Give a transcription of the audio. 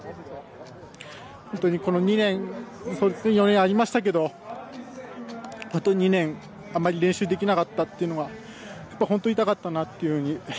本当にこの２年４年ありましたけどあまり練習できなかったのが本当に痛かったなというふうに。